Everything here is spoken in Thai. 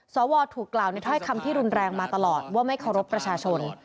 สวถูกกล่าวในถ้อยคำที่รุนแรงมาตลอดว่าไม่เคารพประชาชน